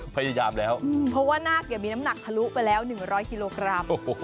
พยายามแล้วเพราะว่านาคมีน้ำหนักทะลุไปแล้ว๑๐๐กิโลกรัม